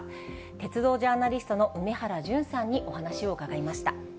鉄道ジャーナリストの梅原淳さんにお話を伺いました。